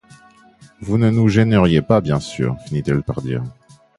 Vous ne nous gêneriez pas, bien sûr, finit-elle par dire.